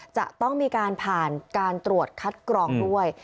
จะต้องมีการผ่านการตรวจคัดกรองด้วย